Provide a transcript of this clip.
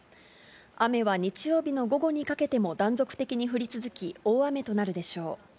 雨は日曜日の午後にかけても断続的に降り続き、大雨となるでしょう。